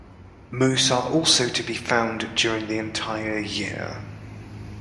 Moose are also to be found during the entire year.